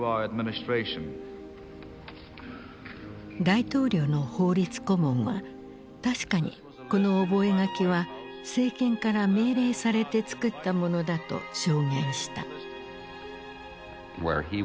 大統領の法律顧問は確かにこの覚書は政権から命令されて作ったものだと証言した。